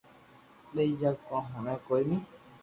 ٻيئي جا ڪون ھوڻي ڪوئي ني